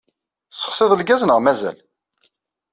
Tessexsiḍ lgaz neɣ mazal?